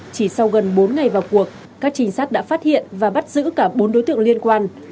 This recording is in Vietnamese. chỉ sau gần bốn ngày vào cuộc các trinh sát đã phát hiện và bắt giữ cả bốn đối tượng liên quan